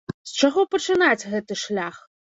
З чаго пачынаць гэты шлях?